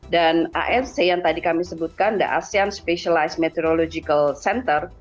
dan asmc yang tadi kami sebutkan the asean specialized meteorological center